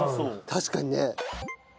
確かにね。